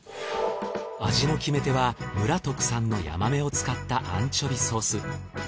味の決め手は村特産のヤマメを使ったアンチョビソース。